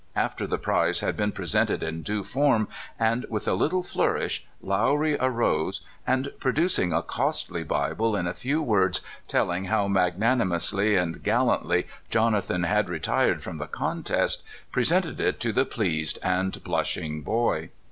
After the prize had been presented in due form and with a little flourish, Lowry arose, and, producing a costly Bible, in a few words telling how magnanimously and gal lantly Jonathan had retired from the contest, pre sented it to the pleased and blushing boy.